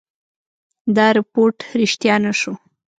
دا رپوټ ریشتیا نه شو.